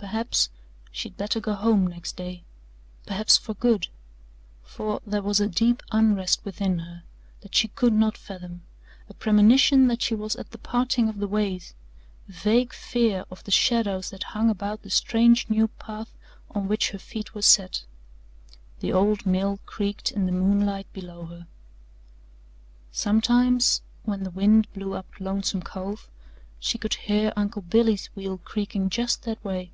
Perhaps she'd better go home next day perhaps for good for there was a deep unrest within her that she could not fathom, a premonition that she was at the parting of the ways, a vague fear of the shadows that hung about the strange new path on which her feet were set. The old mill creaked in the moonlight below her. Sometimes, when the wind blew up Lonesome Cove, she could hear Uncle Billy's wheel creaking just that way.